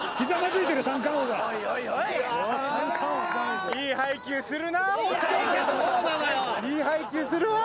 いい配球するわ！